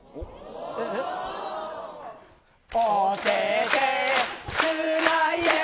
お手てつないで。